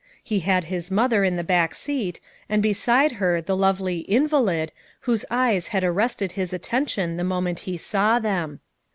He had his mother in the hack seat, and beside her the lovely "invalid' ' whose eyes had ar rested his attention the moment he saw them.